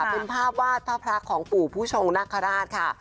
เป็นภาพวาดภาพรักษ์ของปู่ภูชงนักฮราชค่ะ